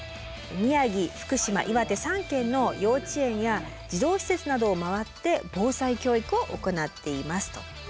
宮城・福島・岩手３県の幼稚園や児童施設などを回って防災教育を行っていますと。